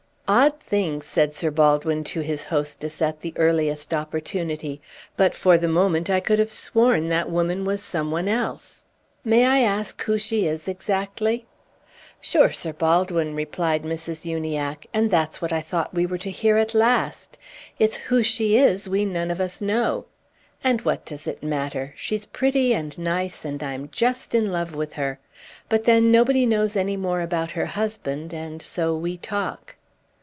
"Odd thing," said Sir Baldwin to his hostess, at the earliest opportunity, "but for the moment I could have sworn that woman was some one else. May I ask who she is exactly?" "Sure, Sir Baldwin," replied Mrs. Uniacke, "and that's what I thought we were to hear at last. It's who she is we none of us know. And what does it matter? She's pretty and nice, and I'm just in love with her; but then nobody knows any more about her husband, and so we talk."